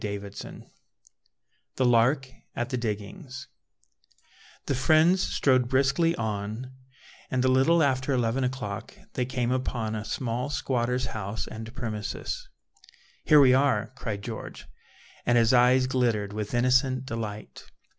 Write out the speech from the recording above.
Proverbs THE LARK AT THE DIGGINGS The friends strode briskly on, and a little after eleven o'clock they came upon a small squatter's house and premises. "Here we are," cried George, and his eyes glittered with innocent delight.